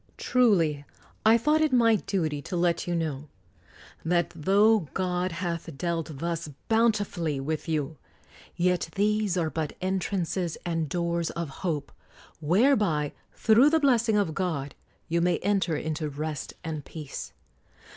Truly I thought it my duty to let you know, that tho God hath dealt thus bountifully with you, yet these are but entrances and doors of hope, whereby, through the blessing of God, you may enter into rest and peace.